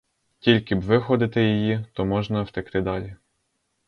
Тільки б виходити її, то можна втекти далі.